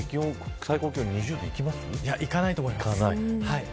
いかないと思います。